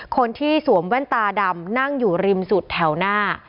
คนที่สวมแว่นตาดำนั่งอยู่ริมสุดแถวหน้า